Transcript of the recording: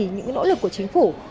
những nỗ lực của chính phủ